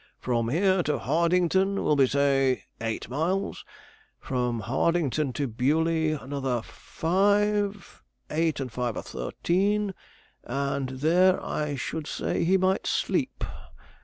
'From here to Hardington will be, say, eight miles; from Hardington to Bewley, other five; eight and five are thirteen; and there, I should say, he might sleep.